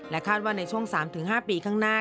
และคาดว่าในช่วงสามถึงห้าปีข้างหน้า